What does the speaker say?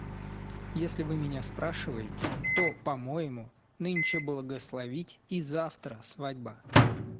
Если вы меня спрашиваете, то, по моему, нынче благословить и завтра свадьба.